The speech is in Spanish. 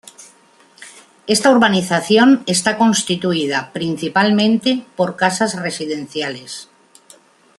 Esta urbanización está constituida, principalmente, por casas residenciales.